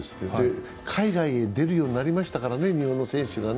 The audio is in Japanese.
海外へ出るようになりましたからね、日本の選手が。